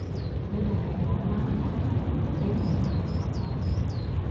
你哋係我拉入嚟，點會喺嗰度